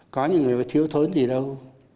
có những người thiếu thốn gì đâu